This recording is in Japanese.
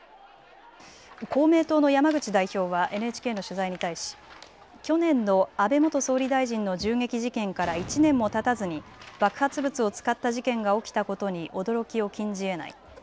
公明党の山口代表はＮＨＫの取材に対し去年の安倍元総理大臣の銃撃事件から１年もたたずに爆発物を使った事件が起きたことに驚きを禁じえない。